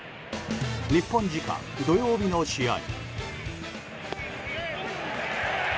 日本時間、土曜日の試合。